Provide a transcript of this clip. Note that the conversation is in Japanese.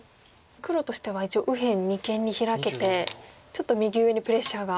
黒としては一応右辺二間にヒラけてちょっと右上にプレッシャーが。